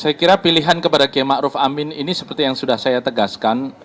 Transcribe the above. saya kira pilihan kepada km amin ini seperti yang sudah saya tegaskan